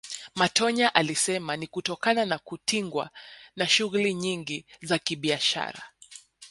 Matonya alisema ni kutokana na kutingwa na shughuli nyingi za kibiashara